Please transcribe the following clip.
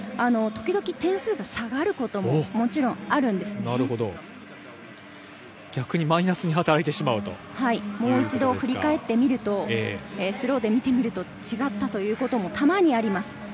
点数が下がることもマイナスに働いてしまうこと振り返ってみるとスローで見てみると違ったということもたまにあります。